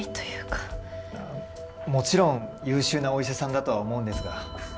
もちろん優秀なお医者さんだとは思うんですが。